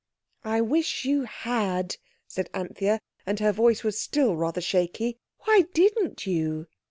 "I wish you had," said Anthea, and her voice was still rather shaky. "Why didn't you?"